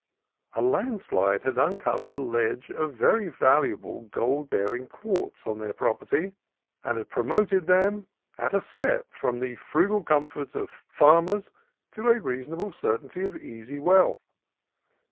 A landslide had uncovered a ledge of very valuable gold bearing quartz on their property, and had promoted them at a step from the frugal comfort of farmers to a rea sonable certainty of easy wealth.